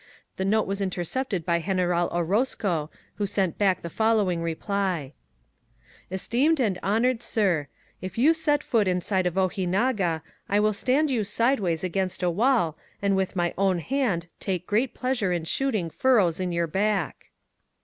The note was intercepted by General Orozeo, who sent back the following reply: EsTssiojD AND HoNORSD Sm: If you set foot inside of Ojinaga^ I will stand you sideways against a wall^ and with my own hand take great pleasure in shooting fur rows in your back.